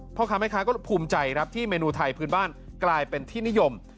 เพราะข้าไม่คะก็ภูมิใจที่เมนูไทยพื้นบ้านกลายเป็นที่นิยม